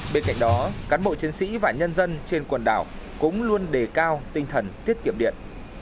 bên cạnh đó cán bộ chiến sĩ và nhân dân trên quần đảo cũng luôn đề cao tinh thần tiết kiệm điện